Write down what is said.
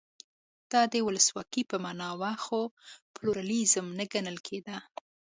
دا د ولسواکۍ په معنا و خو پلورالېزم نه ګڼل کېده.